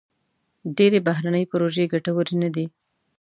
ډېری بهرني پروژې ګټورې نه دي.